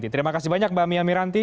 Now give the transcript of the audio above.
terima kasih banyak mbak mia miranti